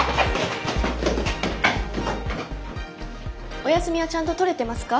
お休みはちゃんと取れてますか？